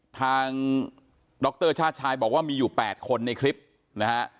ดรชาติชายบอกว่ามีอยู่๘คนในคลิปนะฮะ